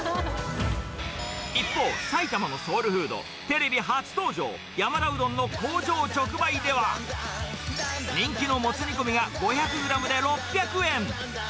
一方、埼玉のソウルフード、テレビ初登場、山田うどんの工場直売では、人気のもつ煮込みが５００グラムで６００円。